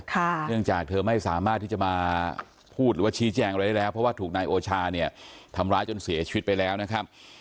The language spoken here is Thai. เนื่องจากเธอไม่สามารถที่จะมาพูดหรือว่าชี้แจงอะไรได้แล้วเพราะว่าถูกนายโอชาเนี่ยทำร้ายจนเสียชีวิตไปแล้วนะครับ